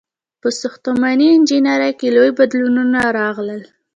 • په ساختماني انجینرۍ کې لوی بدلونونه راغلل.